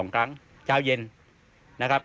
๒ครั้งเจ้าเย็นนะครับ